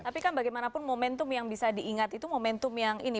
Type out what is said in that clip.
tapi kan bagaimanapun momentum yang bisa diingat itu momentum yang ini